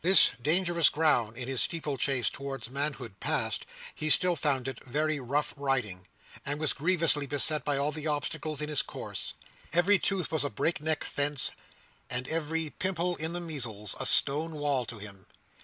This dangerous ground in his steeple chase towards manhood passed, he still found it very rough riding, and was grievously beset by all the obstacles in his course. Every tooth was a break neck fence, and every pimple in the measles a stone wall to him.